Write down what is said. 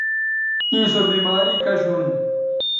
تیں سو بیماری کش ھون